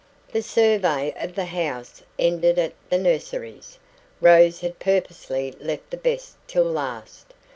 The survey of the house ended at the nurseries. Rose had purposely left the best till last.